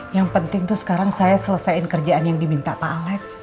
yang penting tuh sekarang saya selesaikan kerjaan yang diminta pak alex